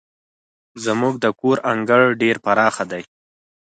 زموږ د کور انګړ ډير پراخه دی.